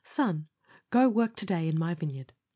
Son, go work to day in my vineyard.